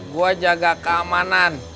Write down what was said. gue jaga keamanan